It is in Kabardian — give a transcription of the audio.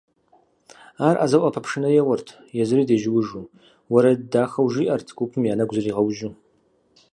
Ар ӏэзэу ӏэпэпшынэ еуэрт, езыри дежьуужу, уэрэд дахэу жиӏэрт, гупым я нэгу зригъэужьу.